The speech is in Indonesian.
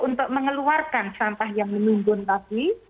untuk mengeluarkan sampah yang menunggun lagi